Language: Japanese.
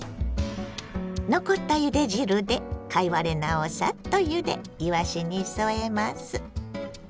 残ったゆで汁で貝割れ菜をサッとゆでいわしに添えます。